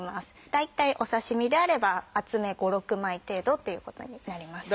大体お刺身であれば厚め５６枚程度っていうことになります。